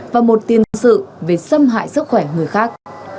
và một tiền sự về xâm hại sức khỏe người khác